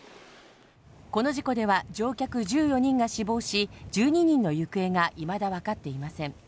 この事故では、乗客１４人が死亡し、１２人の行方がいまだ分かっていません。